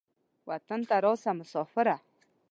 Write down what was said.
وطن ته راسه مسافره.